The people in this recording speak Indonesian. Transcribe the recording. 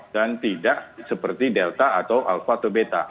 dan tidak seperti delta atau alpha atau beta